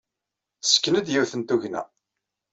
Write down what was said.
Tessken-d yiwet n tugna.